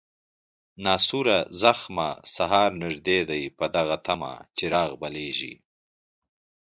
ناسوره زخمه، سهار نژدې دی په دغه طمه، چراغ بلیږي